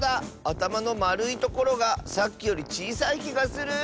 あたまのまるいところがさっきよりちいさいきがする。